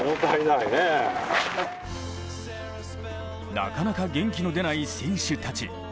なかなか元気の出ない選手たち。